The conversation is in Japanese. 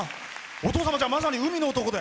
お父様、まさに海の男で。